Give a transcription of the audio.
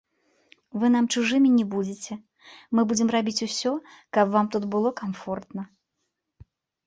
Вы нам чужымі не будзеце, мы будзем рабіць усё, каб вам тут было камфортна.